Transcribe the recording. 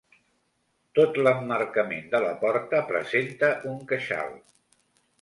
Tot l'emmarcament de la porta presenta un queixal.